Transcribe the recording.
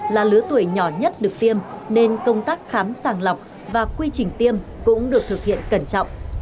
là lứa tuổi nhỏ nhất được tiêm nên công tác khám sàng lọc và quy trình tiêm cũng được thực hiện cẩn trọng